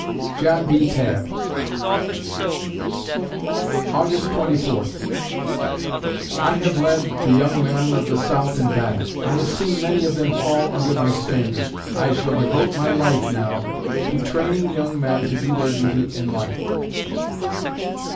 JOHN B. TABB August Twenty Fourth I have led the young men of the South in battle; I have seen many of them fall under my standard. I shall devote my life now to training young men to do their duty in life.